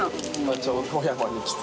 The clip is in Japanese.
ちょうど小山に来て。